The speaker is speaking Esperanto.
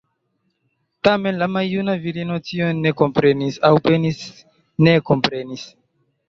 Tamen la maljuna virino tion ne komprenis, aŭ penis ne kompreni.